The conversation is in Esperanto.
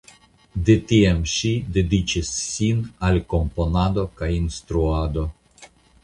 De tiam ŝi dediĉis sin al komponado kaj instruado.